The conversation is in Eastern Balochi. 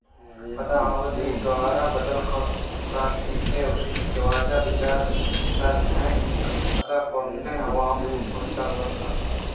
پدا آئیءَ وتی توار بدل کُت ءُفرانسیسیءَ گوٛشت کہ واجہ بچار شر نہ اِنت ادا گونڈ و ہم اوشتاتگ اَنت